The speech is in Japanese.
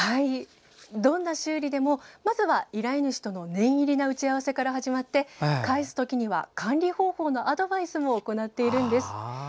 どんな修理でも、まずは依頼主との念入りな打ち合わせから始まって返すときには管理方法のアドバイスも行っているんです。